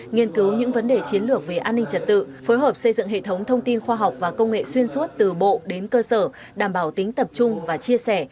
nghiên cứu những vấn đề chiến lược về an ninh trật tự phối hợp xây dựng hệ thống thông tin khoa học và công nghệ xuyên suốt từ bộ đến cơ sở đảm bảo tính tập trung và chia sẻ